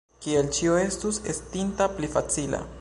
Kiel ĉio estus estinta pli facila!